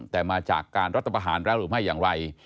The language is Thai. แต่มาจากการรัฐประหารแล้วหรือไม่อย่างไร